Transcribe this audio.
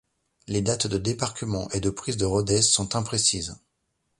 Les dates de débarquement et de prise de Rhodes sont imprécises.